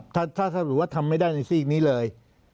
ถ้าสรุปว่าทำไม่ได้ในซีกนี้เลย